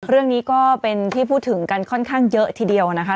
เรื่องนี้ก็เป็นที่พูดถึงกันค่อนข้างเยอะทีเดียวนะคะ